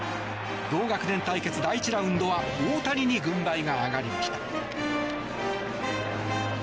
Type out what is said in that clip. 同学年対決第１ラウンドは大谷に軍配が上がりました。